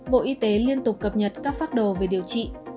bộ y tế liên tục cập nhật các phác đồ về điều trị